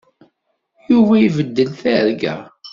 Yuba ibeddel targa.